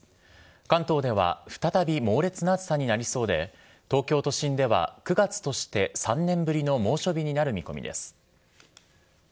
関東では再び猛烈な暑さになりそうで、東京都心では、９月として３年ぶりの猛暑日になる見込みです。